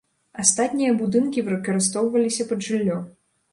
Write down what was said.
Астатнія будынкі выкарыстоўваліся пад жыллё.